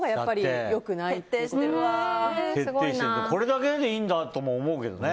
これだけでいいんだとも思うけどね。